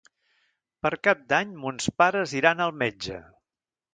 Per Cap d'Any mons pares iran al metge.